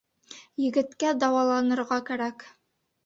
Егеткә дауаланырға кәрәк.